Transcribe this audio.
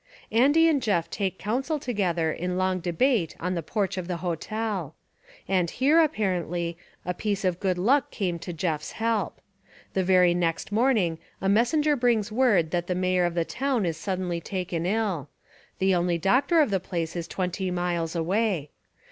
Andy and Jeff take counsel together In long debate on the porch of the hotel. And here, apparently, a piece of good luck came to Jeff's help. The very next morning a messenger brings word that the Mayor of the town Is suddenly taken 111. The only doctor of the place Is twenty miles away.